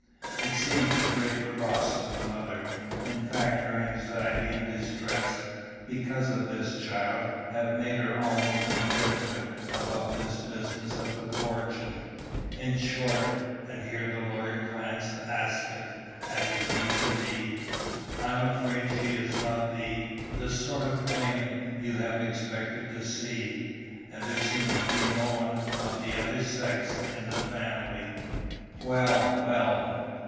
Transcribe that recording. It seems a great cross to the mother; in fact her anxiety and distress, because of this child, have made her almost indifferent about this business of the fortune. In short" and here the lawyer glanced askance at his vis à vis "I'm afraid she is not the the sort of claimant you have expected to see. And there seems to be no one of the other sex in the family." "Well, well!"